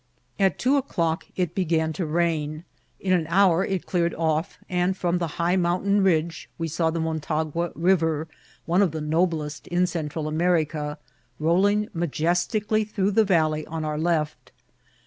At two o'clock it began to rain ; in an hour it clear* ed off, and from the high mountain ridge we saw the Motagua River, one of the noblest in Central America, rolling majestically through the valley on our left.